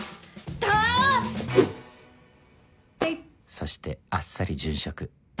そしてあっさり殉職